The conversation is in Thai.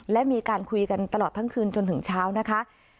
และมีการคุยกันตลอดทั้งคืนจนถึงเช้านะคะ